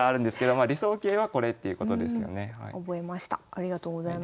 ありがとうございます。